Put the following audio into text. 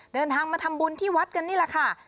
เดินทางมาทำบุญที่วัดกันนี่แหละค่ะ